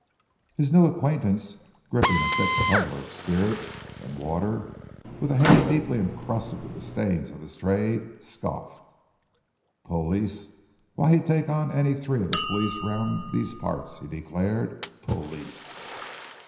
His new acquaintance, gripping a thick tumbler of spirits and water with a hand deeply encrusted with the stains of his trade, scoffed. "Police! Why, 'e'd take on any three of the police round these parts!" he declared. "Police!